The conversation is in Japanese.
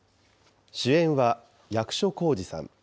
主演は役所広司さん。